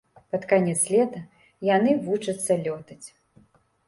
Пад канец лета яны вучацца лётаць.